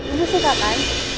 ibu suka kan